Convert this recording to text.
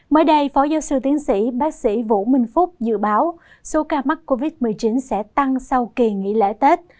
mới đây phó giáo sư tiến sĩ bác sĩ vũ minh phúc dự báo số ca mắc covid một mươi chín sẽ tăng sau kỳ nghỉ lễ tết